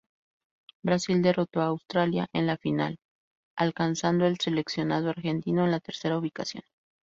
Brasil derrotó a Australia en la final, alcanzando el seleccionado argentino la tercera ubicación.